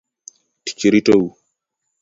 Tich ritou.